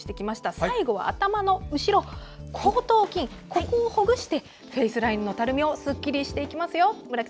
最後は頭の後ろ後頭筋をほぐしてフェイスラインのたるみをすっきりしていきますよ。